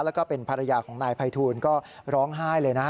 แล้วก็เป็นภรรยาของนายภัยทูลก็ร้องไห้เลยนะฮะ